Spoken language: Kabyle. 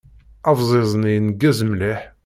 Abẓiẓ-nni ineggez mliḥ.